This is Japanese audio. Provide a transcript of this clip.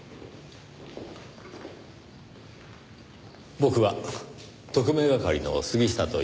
僕は特命係の杉下といいます。